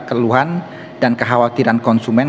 keluhan dan kekhawatiran konsumen